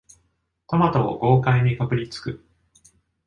トマトを豪快にかぶりつく